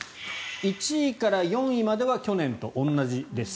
１位から４位までは去年と同じです。